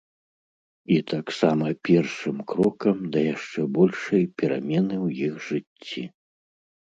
І таксама першым крокам да яшчэ большай перамены ў іх жыцці.